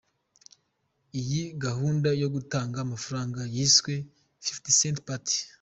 Iyi gahunda yo gutanga amafaranga yiswe “Fifty Cent Party”.